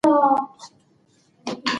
که اورلګیت نه وي، موږ اور نه شو بلولی.